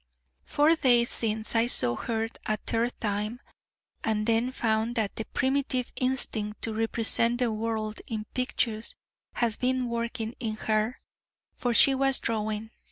Four days since I saw her a third time, and then found that the primitive instinct to represent the world in pictures has been working in her: for she was drawing.